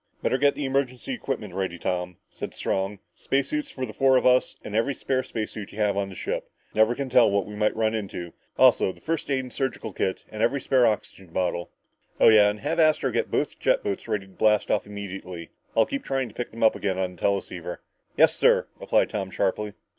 "Better get the emergency equipment ready, Tom," said Strong. "Space suits for the four of us and every spare space suit you have on the ship. Never can tell what we might run into. Also the first aid surgical kit and every spare oxygen bottle. Oh, yeah, and have Astro get both jet boats ready to blast off immediately. I'll keep trying to pick them up again on the teleceiver." "Yes, sir," replied Tom sharply.